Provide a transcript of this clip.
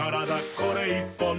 これ１本で」